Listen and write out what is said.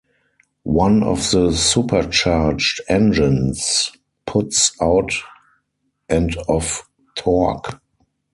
One of the supercharged engines puts out and of torque.